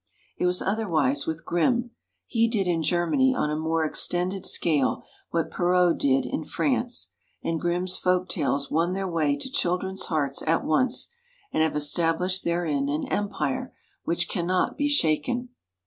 It was otherwise with Grimm ; he did in Germany on a more extended scale what Perrault did in France, and Grimm's Folk Tales won their way to children's hearts at once, and have established therein an empire, which cannot be shaken.